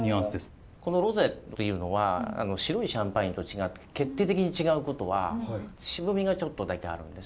このロゼっていうのは白いシャンパーニュと決定的に違うことは渋みがちょっとだけあるんです。